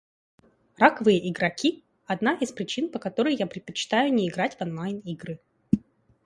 Раковые игроки — одна из причин, по которой я предпочитаю не играть в онлайн-игры.